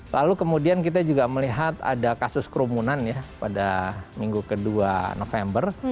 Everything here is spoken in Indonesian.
lalu kemudian kita juga melihat ada kasus kerumunan ya pada minggu kedua november